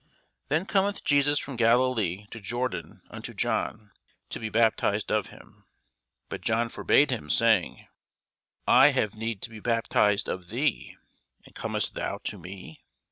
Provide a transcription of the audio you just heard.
Then cometh Jesus from Galilee to Jordan unto John, to be baptized of him. But John forbad him, saying, I have need to be baptized of thee, and comest thou to me?